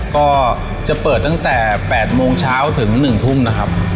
ก็จะเปิดตั้งแต่๘โมงเช้าถึง๑ทุ่มนะครับ